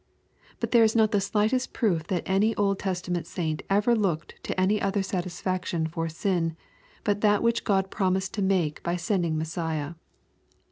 But there is not the slightest proof that any Old Testament saint ever looked » to any other satisfaction for sin, but that which God. promised to make by sending Messiah.